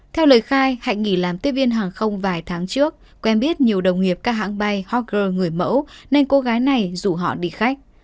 theo lời khai hạnh nghỉ làm tiếp viên hàng không vài tháng trước quen biết nhiều đồng nghiệp các hãng bay hoker người mẫu nên cô gái này rủ họ đi khách